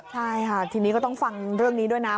ใช่ค่ะทีนี้ก็ต้องฟังเรื่องนี้ด้วยนะ